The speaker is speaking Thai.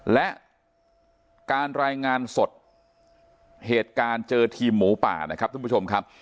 และการรายงานสดเหตุการณ์เจอทีมหมูป่า